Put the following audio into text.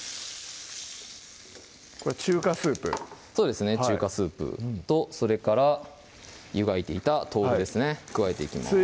これ中華スープそうですね中華スープとそれから湯がいていた豆腐ですね加えていきます